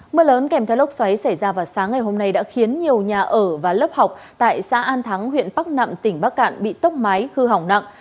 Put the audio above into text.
mưa lớn kèm theo lốc xoáy xảy ra vào sáng ngày hôm nay đã khiến nhiều nhà ở và lớp học tại xã an thắng huyện bắc nẵm tỉnh bắc cạn bị tốc mái hư hỏng nặng